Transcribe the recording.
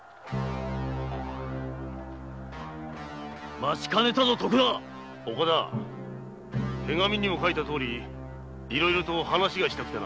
待ちかねたぞ徳田手紙にも書いたとおりいろいろと話がしたくてな。